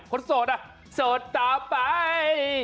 โสดอ่ะโสดต่อไป